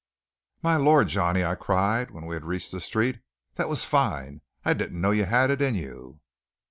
"My Lord, Johnny!" I cried when we had reached the street, "that was fine! I didn't know you had it in you!"